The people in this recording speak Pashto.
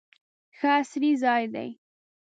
ښه عصري ځای دی.